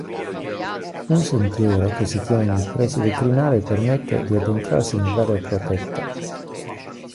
Un sentiero che si tiene nei pressi del crinale permette di addentrarsi nell'area protetta.